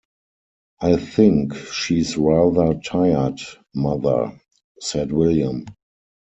“I think she’s rather tired, mother,” said William.